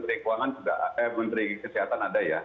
di kebijakan menteri kesehatan ada ya